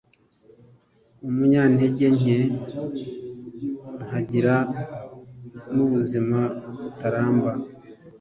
umunyantege nke, nkagira n'ubuzima butaramba